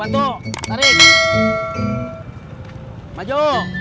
bantu tarik maju